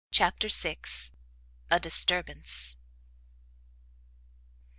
CHAPTER vi. A DISTURBANCE.